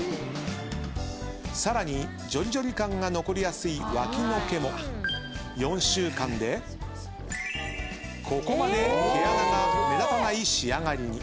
さらにジョリジョリ感が残りやすい脇の毛も４週間でここまで毛穴が目立たない仕上がりに。